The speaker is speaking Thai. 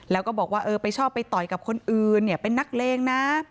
แล้วก็บอกว่าเออไปชอบไปต่อยกับคนอื่นเนี่ยเป็นนักเลงนะ